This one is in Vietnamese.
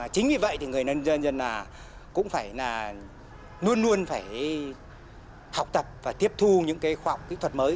chính vì vậy thì người nông dân cũng luôn luôn phải học tập và tiếp thu những khoa học kỹ thuật mới